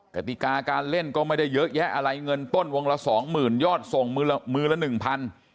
กติกาการเล่นก็ไม่ได้เยอะแยะอะไรเงินต้นวงละสองหมื่นยอดส่งมือละหนึ่งพัน